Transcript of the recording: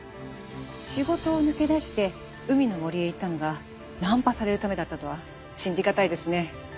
仕事を抜け出して海の森へ行ったのがナンパされるためだったとは信じがたいですね。